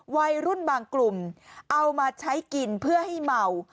วัยรุ่นบางกลุ่มเอามาใช้กินเพื่อให้เมา